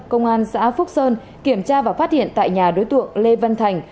công an xã phúc sơn kiểm tra và phát hiện tại nhà đối tượng lê văn thành